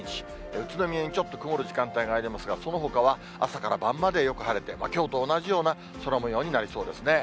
宇都宮にちょっと曇る時間帯がありますが、そのほかは朝から晩までよく晴れて、きょうと同じような空もようになりそうですね。